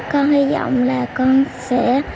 con hy vọng là con sẽ